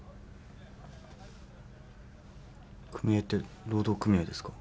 組合って労働組合ですか？